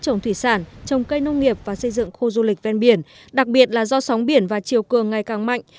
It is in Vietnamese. trồng thủy sản trồng cây nông nghiệp và xây dựng khu du lịch ven biển đặc biệt là do sóng biển và chiều cường ngày càng mạnh